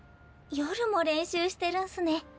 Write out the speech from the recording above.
夜も練習してるんすね。